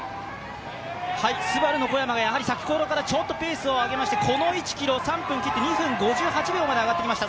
ＳＵＢＡＲＵの小山が先ほどからペースを上げまして、この１ｋｍ、３分切って２分５８秒まで上がってきました。